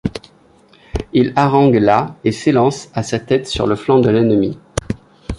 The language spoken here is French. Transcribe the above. Il harangue la et s’élance à sa tête sur le flanc de l’ennemi.